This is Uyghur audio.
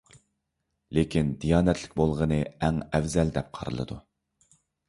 لېكىن دىيانەتلىك بولغىنى ئەڭ ئەۋزەل دەپ قارىلىدۇ.